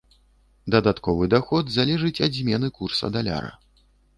Дадатковы даход залежыць ад змены курса даляра.